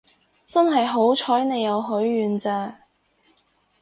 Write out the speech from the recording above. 真係好彩你有許願咋